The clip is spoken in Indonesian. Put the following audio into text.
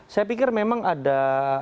saya pikir memang ada